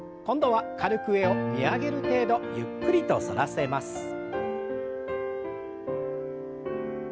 今度は軽く上を見上げる程度ゆっくりと反らせます。